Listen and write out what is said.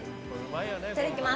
いただきます。